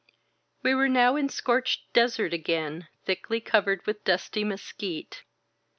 We were now in scorched desert again, thickly covered with dusty mesquite.